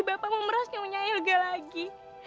bapak memeras nyonya ilga lagi